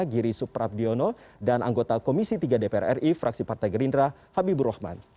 giri suprabdiono dan anggota komisi tiga dpr ri fraksi partai gerindra habibur rahman